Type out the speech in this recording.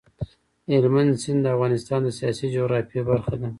هلمند سیند د افغانستان د سیاسي جغرافیه برخه ده.